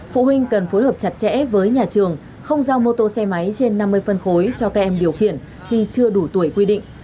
phụ huynh cần phối hợp chặt chẽ với nhà trường không giao mô tô xe máy trên năm mươi phân khối cho các em điều khiển khi chưa đủ tuổi quy định